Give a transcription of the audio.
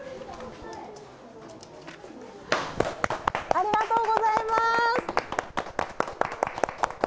ありがとうございます！